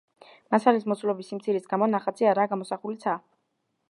მასალის მოცულობის სიმცირის გამო ნახატზე არაა გამოსახული ცა.